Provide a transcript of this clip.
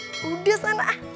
eh hudus anak